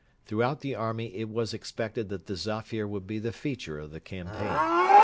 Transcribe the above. Throughout the army it was expected that the Zafir would be the feature of the campaign.